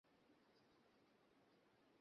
লন্ডনে তুমি কোথায় পড়তে?